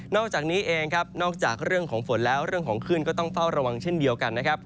อกจากนี้เองครับนอกจากเรื่องของฝนแล้วเรื่องของขึ้นก็ต้องเฝ้าระวังเช่นเดียวกันนะครับ